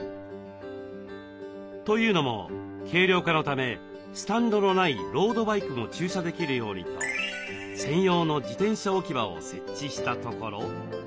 というのも軽量化のためスタンドのないロードバイクも駐車できるようにと専用の自転車置き場を設置したところ。